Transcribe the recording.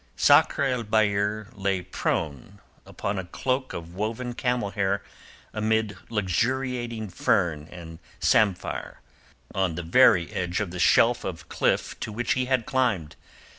Sakr el Bahr lay prone upon a cloak of woven camel hair amid luxuriating fern and samphire, on the very edge of the shelf of cliff to which he had climbed.